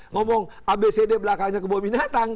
ngomong abcd belakangnya kebun binatang